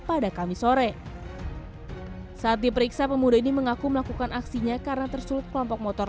pada kamis sore saat diperiksa pemuda ini mengaku melakukan aksinya karena tersulut kelompok motor